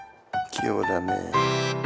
器用だね。